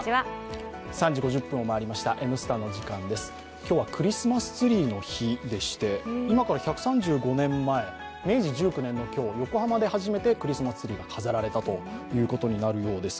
今日はクリスマスツリーの日でして今から１３５年前、明治１９年の今日横浜で初めてクリスマスツリーが飾られたということのようです。